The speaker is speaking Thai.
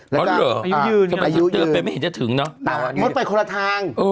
แล้วก็อายุยืนต่างมดไปคนละทาง